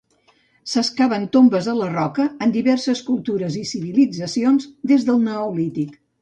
S'excaven tombes a la roca en diverses cultures i civilitzacions des del neolític.